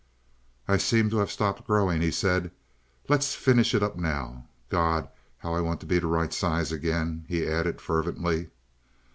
"I seem to have stopped growing," he said. "Let's finish it up now. God! how I want to be the right size again," he added fervently.